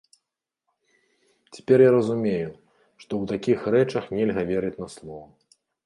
Цяпер я разумею, што ў такіх рэчах нельга верыць на слова.